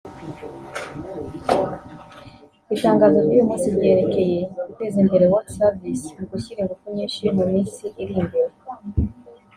Itangazo ry’uyu musi ryerekeye guteza imbere World Service mu gushyira ingufu nyinshi mu minsi iri imbere